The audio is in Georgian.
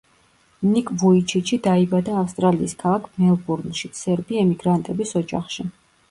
ნიკ ვუიჩიჩი დაიბადა ავსტრალიის ქალაქ მელბურნში, სერბი ემიგრანტების ოჯახში.